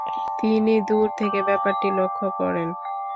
তিনি দূর থেকে ব্যাপারটি লক্ষ্য করেন।